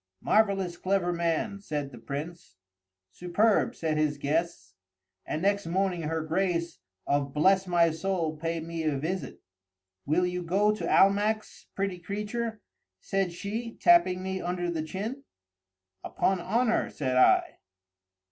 "Marvellous clever man!" said the Prince. "Superb!" said his guests;—and next morning her Grace of Bless my Soul paid me a visit. "Will you go to Almack's, pretty creature?" she said, tapping me under the chin. "Upon honor," said I.